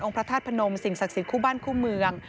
องค์พระทาศพนมสิ่งศักดิ์ศิลป์คู่บ้านคู่เมือง